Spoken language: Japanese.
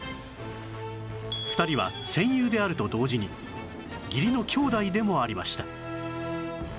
２人は戦友であると同時に義理の兄弟でもありました